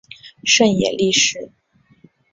胜野莉世。